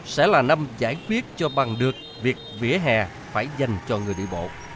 sẽ là năm giải quyết cho bằng được việc vỉa hè phải dành cho người đi bộ